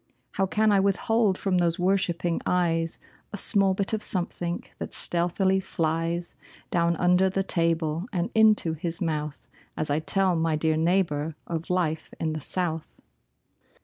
How can I withhold from those worshipping eyes A small bit of something that stealthily flies Down under the table and into his mouth As I tell my dear neighbor of life in the South.